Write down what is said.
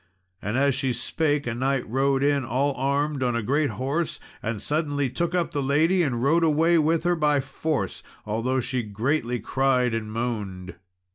And as she spake, a knight rode in all armed, on a great horse, and suddenly took up the lady and rode away with her by force, although she greatly cried and moaned.